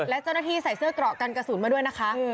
และเจ้าหน้าที่ใส่เสื้อเกราะกันกระสุนมาด้วยนะคะ